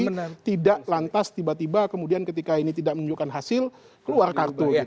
jadi tidak lantas tiba tiba kemudian ketika ini tidak menunjukkan hasil keluar kartu gitu